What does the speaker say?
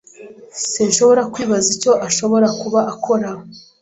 Sinshobora kwibaza icyo ashobora kuba akora.